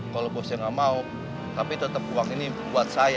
kalau bosnya gak mau tapi tetap uang ini buat saya